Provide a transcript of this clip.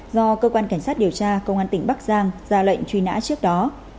do cơ quan cảnh sát điều tra công an tỉnh bắc giang ra lệnh truy nã trước đó